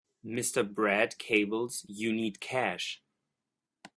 Mr. Brad cables you need cash.